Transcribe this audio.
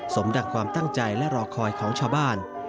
ดังความตั้งใจและรอคอยของชาวบ้าน